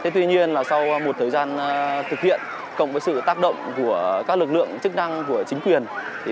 tuy nhiên sau một thời gian thực hiện cộng với sự tác động của các lực lượng chức năng của chính quyền